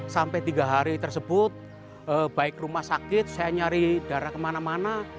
sampai tiga hari tersebut baik rumah sakit saya nyari darah kemana mana